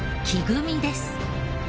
組みです。